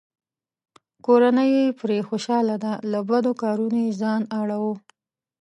کورنۍ یې پرې خوشحاله ده؛ له بدو کارونو یې ځان اړووه.